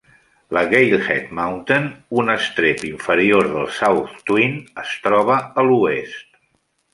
La Galehead Mountain, un estrep inferior del South Twin, es troba a l'oest.